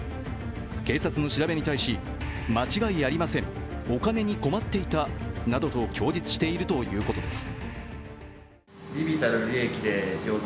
警察の調べに対し、間違いありません、お金に困っていたなどと供述しているということです。